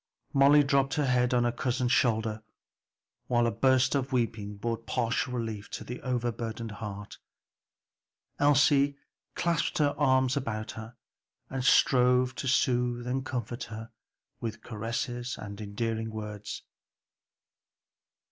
Molly dropped her head on her cousin's shoulder while a burst of weeping brought partial relief to the overburdened heart. Elsie clasped her arms about her and strove to soothe and comfort her with caresses and endearing words.